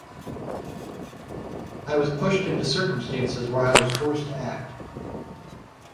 I was pushed into circumstances where I was forced to act.